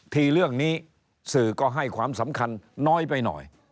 เรื่องนี้สื่อก็ให้ความสำคัญน้อยไปหน่อย